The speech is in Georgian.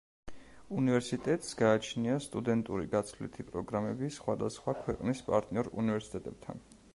უნივერსიტეტს გააჩნია სტუდენტური გაცვლითი პროგრამები სხვადასხვა ქვეყნის პარტნიორ უნივერსიტეტებთან.